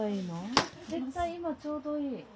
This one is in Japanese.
絶対今ちょうどいい。